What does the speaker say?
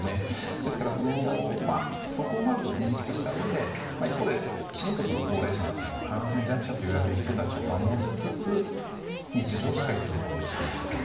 ですから、そこをまず認識したうえで一方できちんと高齢者などの感染弱者といわれる人たちを守りつつ日常をしっかり取り戻していくという。